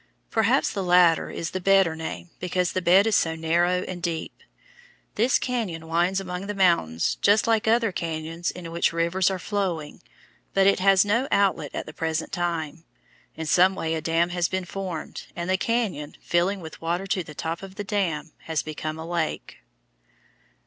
Perhaps the latter is the better name because the bed is so narrow and deep. This cañon winds among the mountains just like other cañons in which rivers are flowing, but it has no outlet at the present time. In some way a dam has been formed, and the cañon, filling with water to the top of the dam, has become a lake.